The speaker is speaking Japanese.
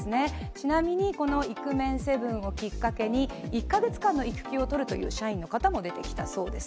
ちなみに、このイクメンセブンをきっかけに１か月間の育休をとるという社員の方も出てきたということです。